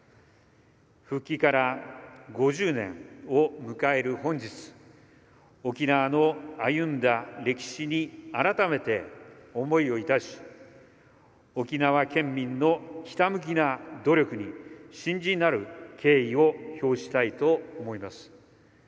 復帰から５０年を迎える本日沖縄の歩んだ歴史に改めて思いを致し沖縄県民のひたむきな努力に深甚なる敬意を表したいと思います。